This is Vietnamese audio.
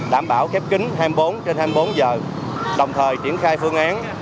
đảm bảo khép kính hai mươi bốn trên hai mươi bốn giờ đồng thời triển khai phương án